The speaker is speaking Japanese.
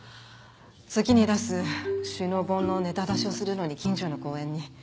次に出す収納本のネタ出しをするのに近所の公園に。